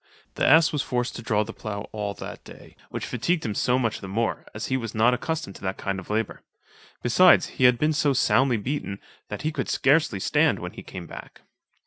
The ass was forced to draw the plough all that day, which fatigued him so much the more, as he was not accustomed to that kind of labour; besides he had been so soundly beaten, that he could scarcely stand when he came back.